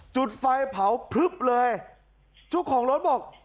จุดไฟเผาพลึบเลยเจ้าของรถบอก